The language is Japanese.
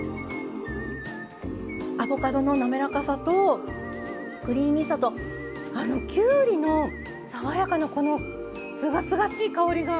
アボカドの滑らかさとクリーミーさとあのきゅうりの爽やかなこのすがすがしい香りが。